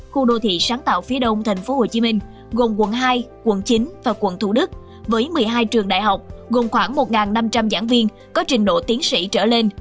khu đô thị sáng tạo phía đông tp hcm gồm quận hai quận chín và quận thủ đức với một mươi hai trường đại học gồm khoảng một năm trăm linh giảng viên có trình độ tiến sĩ trở lên